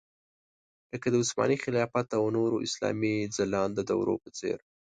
لکه عثماني خلافت او د نورو اسلامي ځلانده دورو په څېر.